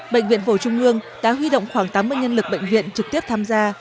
bệnh viện phổ trung ương đã huy động khoảng tám mươi nhân lực bệnh viện trực tiếp tham gia